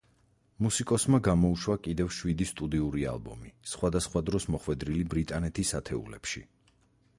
მუსიკოსმა გამოუშვა კიდევ შვიდი სტუდიური ალბომი, სხვადასხვა დროს მოხვედრილი ბრიტანეთის ათეულებში.